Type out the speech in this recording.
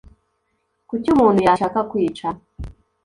Kuki umuntu yashaka kwica ?